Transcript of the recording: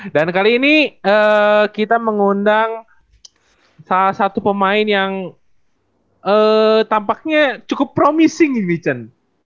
dan kali ini kita mengundang salah satu pemain yang tampaknya cukup promising ini chen